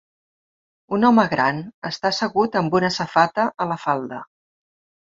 Un home gran està assegut amb una safata a la falda.